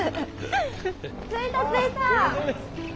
着いた着いた。